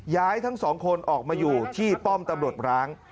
ทั้งสองคนออกมาอยู่ที่ป้อมตำรวจร้าง